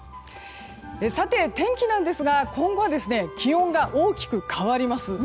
さて、天気なんですが今後は気温が大きく変わります。